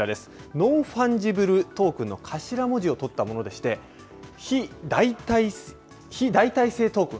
ノン・ファンジブル・トークンの頭文字を取ったものでして、非代替性トークン。